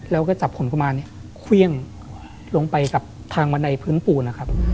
แล้วก็จับหุ่นกุมารเควียงลงไปกับทางบันไดพื้นปูน